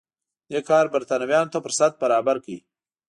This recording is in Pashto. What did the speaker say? دې کار برېټانویانو ته فرصت برابر کړ.